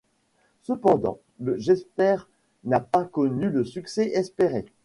Cependant, le Jeepster n'a pas connu le succès espéré.